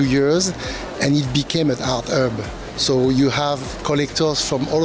dan anda juga bisa mencari karya yang luar biasa di sini